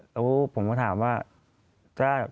แล้วผมก็ถามว่า